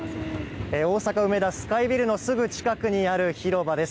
大阪・梅田スカイビルのすぐ近くにある広場です。